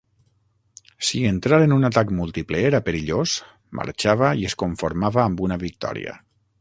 Si entrar en un atac múltiple era perillós, marxava i es conformava amb una victòria.